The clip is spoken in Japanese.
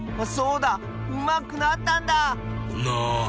そうだうまくなったんだ！な。